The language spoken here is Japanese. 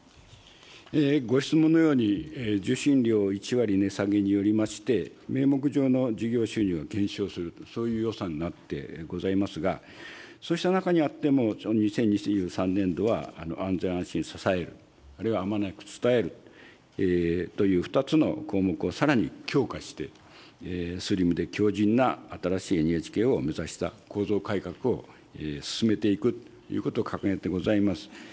ご質問のように、受信料１割値下げによりまして、名目上の事業収入が減少すると、そういう予算になってございますが、そうした中にあっても、２０２３年度は、安全・安心を支える、あるいはあまねく伝えるという２つの項目をさらに強化して、スリムで強じんな、新しいＮＨＫを目指した構造改革を進めていくということを掲げてございます。